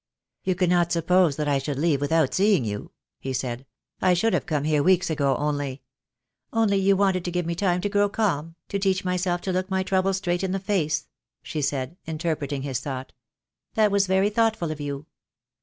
"You could not suppose that I should leave without seeing you," he said; "I should have come here weeks ago, only " "Only you wanted to give me time to grow calm, to teach myself to look my trouble straight in the face," she said, interpreting his thought. "That was very thoughtful of you.